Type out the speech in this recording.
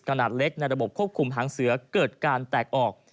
ขนาดเล็กในระบบควบคุมหางเสือเกิดการแตกออก